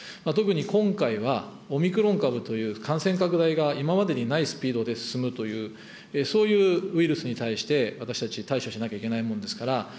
特に今回は、オミクロン株という感染拡大が今までにないスピードで進むという、そういうウイルスに対して、私たち、対処しなきゃいけないもんですから、